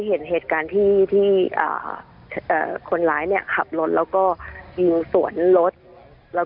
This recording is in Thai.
เห็นเหตุการณ์ที่ที่คนร้ายเนี่ยขับรถแล้วก็ยิงสวนรถแล้ว